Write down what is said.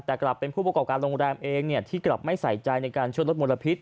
แต่กลับเป็นผู้ประกอบการโรงแรมเองที่กลับไม่ใส่ใจในการช่วยลดมลพิษ